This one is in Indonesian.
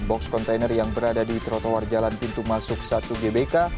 box kontainer yang berada di trotoar jalan pintu masuk satu gbk